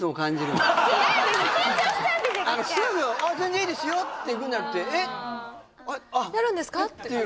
めっちゃすぐ「あっ全然いいですよ」っていくんじゃなくて「えっ」「やるんですか？」